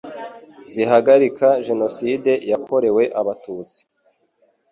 zihagarika Jenoside yakorewe Abatutsi